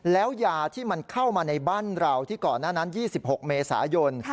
แล้วยาที่มันเข้ามาในบ้านเราที่ก่อนหน้านั้น๒๖เมษายน